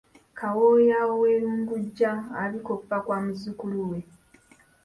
Kawooya ow'e Lungujja abika okufa kwa muzzukulu we